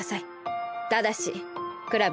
ただしクラム。